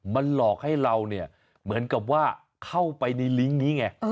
มันหลอกให้เราเนี่ยเหมือนกับว่าเข้าไปในลิงก์นี้ไง